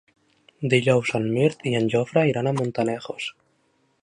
Dijous en Mirt i en Jofre iran a Montanejos.